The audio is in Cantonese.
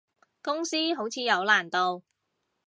公司好似有難度